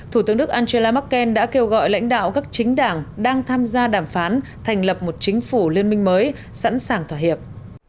thủ tướng đức angela merkel đã kêu gọi lãnh đạo các chính đảng đang tham gia đàm phán thành lập một chính phủ liên minh mới sẵn sàng thỏa hiệp